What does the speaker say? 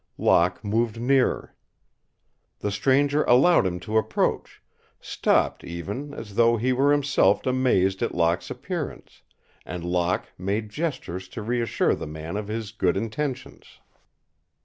Locke moved nearer. The stranger allowed him to approach, stopped, even, as though he were himself amazed at Locke's appearance, and Locke made gestures to reassure the man of his good intentions.